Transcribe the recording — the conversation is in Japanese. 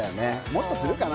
もっとするかな